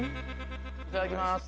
いただきます。